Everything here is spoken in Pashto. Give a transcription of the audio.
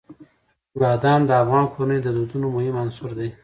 بادام د افغان کورنیو د دودونو مهم عنصر دی.